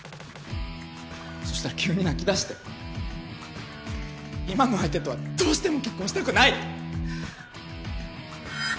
そしたら急に泣き出して今の相手とはどうしても結婚したくないと。